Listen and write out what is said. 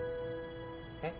えっ？